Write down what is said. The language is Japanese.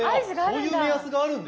そういう目安があるんですね。